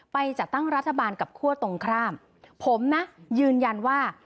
ไปจัดตั้งรัฐบาลกับคั่วตรงข้ามผมนะยืนยันว่า